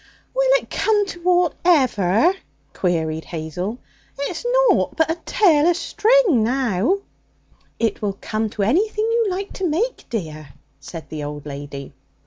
'Will it come to aught ever?' queried Hazel. 'It's nought but a tail o' string now!' 'It will come to anything you like to make, dear,' said the old lady.